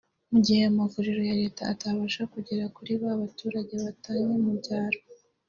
mu gihe amavuriro ya leta atabasha kugera kuri ba baturage batatanye mu byaro